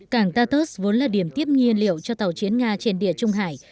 cảng tartus vốn là điểm tiếp nhiên liệu cho tàu chiến nga trên địa trung hải